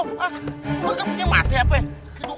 lu kan punya mata ya peh